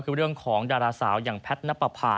คือเรื่องของดาราสาวแพทน์ณปะพา